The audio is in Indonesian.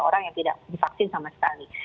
orang yang tidak divaksin sama sekali